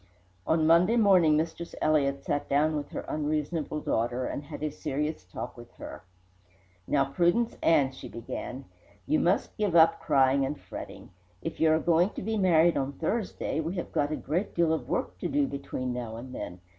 On Monday morning Mistress Elliott sat down with her unreasonable daughter and had a serious talk with her. "Now, Prudence Ann," she began, "you must give up crying and fretting. If you are going to be married on Thursday, we have got a great deal of work to do between now and then.